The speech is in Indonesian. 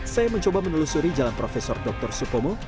saya mencoba menelusuri jalan profesor dr sukomo